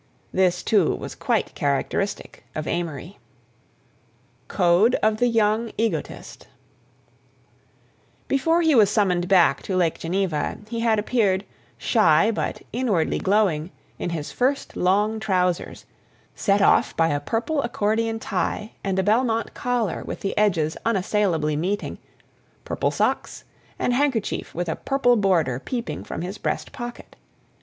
This, too, was quite characteristic of Amory. CODE OF THE YOUNG EGOTIST Before he was summoned back to Lake Geneva, he had appeared, shy but inwardly glowing, in his first long trousers, set off by a purple accordion tie and a "Belmont" collar with the edges unassailably meeting, purple socks, and handkerchief with a purple border peeping from his breast pocket.